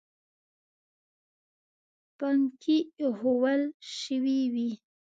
پنکې ایښوول شوې وې.